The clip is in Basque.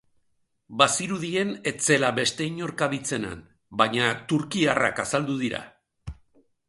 Bazirudien ez zela beste inor kabitzen han, baina turkiarrak azaldu dira.